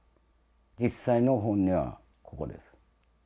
実際の本音はここです。